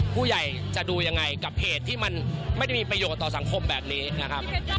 ผู้ใหญ่จะดูยังไงกับเหตุที่มันไม่ได้มีประโยชน์ต่อสังคมแบบนี้นะครับ